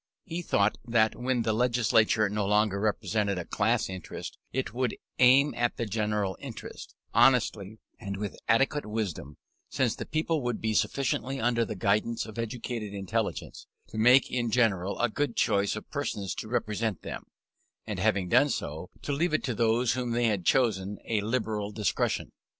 He thought that when the legislature no longer represented a class interest, it would aim at the general interest, honestly and with adequate wisdom; since the people would be sufficiently under the guidance of educated intelligence, to make in general a good choice of persons to represent them, and having done so, to leave to those whom they had chosen a liberal discretion.